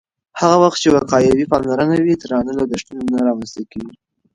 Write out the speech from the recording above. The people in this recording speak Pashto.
هغه وخت چې وقایوي پاملرنه وي، درانه لګښتونه نه رامنځته کېږي.